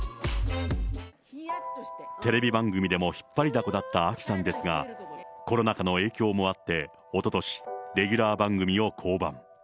テレビ番組でも引っ張りだこだったあきさんですが、コロナ禍の影響もあって、おととし、レギュラー番組を降板。